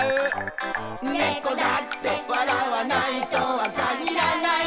「猫だって笑わないとは限らない」